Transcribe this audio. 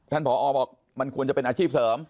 ผอบอกมันควรจะเป็นอาชีพเสริม